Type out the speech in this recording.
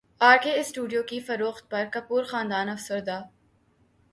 ار K studios کی فروخت پر کپور خاندان افسردہ